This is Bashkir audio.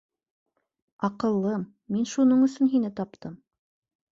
Аҡыллым, мин шуның өсөн һине таптым.